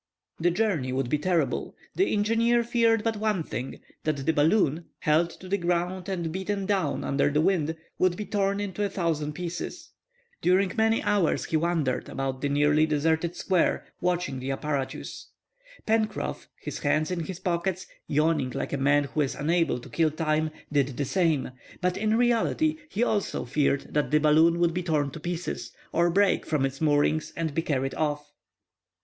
The journey would be terrible. The engineer feared but one thing; that the balloon, held to the ground and beaten down under the wind, would be torn into a thousand pieces. During many hours he wandered about the nearly deserted square, watching the apparatus. Pencroff, his hands in his pockets, yawning like a man who is unable to kill time, did the same; but in reality he also feared that the balloon would be torn to pieces, or break from its moorings and be carried off.